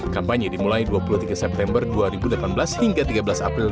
kampanye dimulai dua puluh tiga september dua ribu delapan belas hingga tiga belas april dua ribu dua